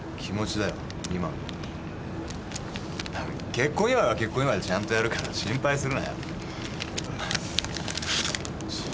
結婚祝いは結婚祝いでちゃんとやるから心配するなよ。